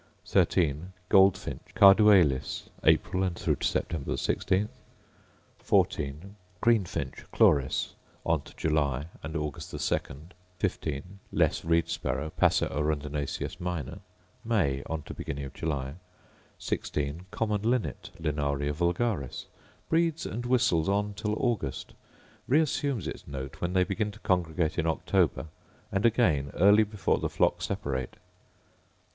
Goldfinch, Carduelis: April and through to September 16. 14. Greenfinch, Chloris: On to July and August 2. 15. Less reed sparrow, Passer arundinaceus minor: May, on to beginning of July. 16. Common linnet, Linaria vulgaris: Breeds and whistles on till August; reassumes its note when they begin to congregate in October, and again early before the flock separate.